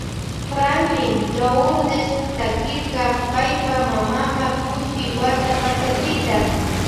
Franklin Lourdes takirka paypa mamama Kushi wata paktachita.